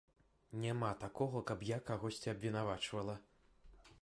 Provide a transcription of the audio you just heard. Няма такога, каб я кагосьці абвінавачвала.